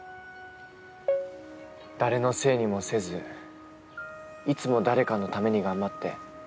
誰のせいにもせずいつも誰かのために頑張って。